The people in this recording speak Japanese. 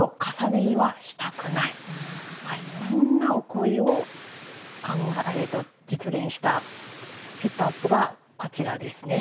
そんなお声を実現したセットアップがこちらですね。